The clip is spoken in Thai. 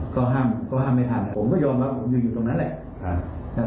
ก็ห้ามก็ห้ามไม่ทันผมก็ยอมแล้วผมอยู่อยู่ตรงนั้นแหละค่ะ